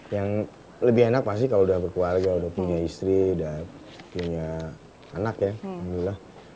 yang lebih enak pasti kalau udah berkeluarga udah punya istri udah punya anak ya alhamdulillah